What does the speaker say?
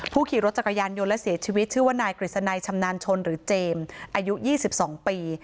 ขี่รถจักรยานยนต์และเสียชีวิตชื่อว่านายกฤษณัยชำนาญชนหรือเจมส์อายุ๒๒ปี